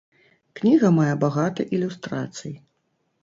Кніга мае багата ілюстрацый.